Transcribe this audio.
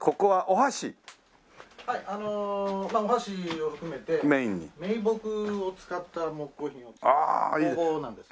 はいあのお箸を含めて銘木を使った木工品を作る工房なんです。